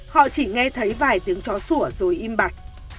họ chỉ nghe thấy vài tiếng chó sủa rồi im bặt